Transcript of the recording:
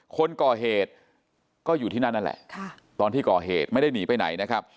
คนก่อเหตุก็อยู่ที่นั่นนั่นแหละตอนที่ก่อเหตุไม่ได้หนีไปไหนนะครับ